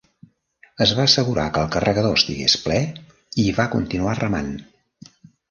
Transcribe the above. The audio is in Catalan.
Es va assegurar que el carregador estigués ple i va continuar remant.